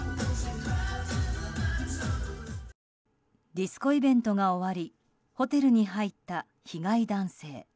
ディスコイベントが終わりホテルに入った被害男性。